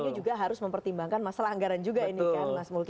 ini juga harus mempertimbangkan masalah anggaran juga ini kan mas multi